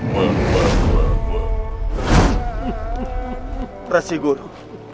terima kasih guru